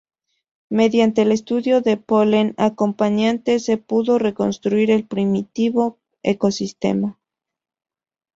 Mediante el estudio del polen acompañante se pudo reconstruir el primitivo ecosistema.